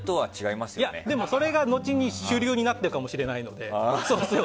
それがのちに主流になってるかもしれないので。